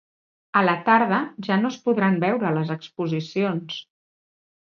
A la tarda ja no es podran veure les exposicions.